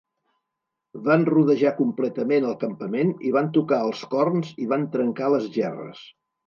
Van rodejar completament el campament i van tocar els corns i van trencar les gerres.